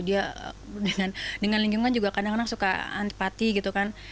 dia dengan lingkungan juga kadang kadang suka antipati gitu kan